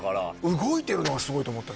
動いてるのはすごいと思った